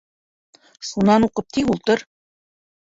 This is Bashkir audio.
Шунан уҡып тик ултыр!